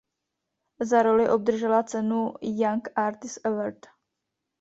Za roli obdržela cenu Young Artist Award.